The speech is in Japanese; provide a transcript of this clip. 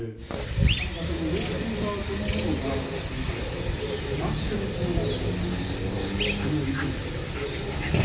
なかなか老朽化そのものが今回、この落橋につながったっていうことは考えにくいなと思っています。